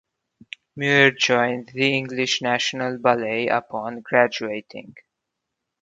Muir joined the English National Ballet upon graduating.